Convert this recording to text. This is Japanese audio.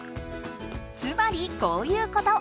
つまりこういうこと。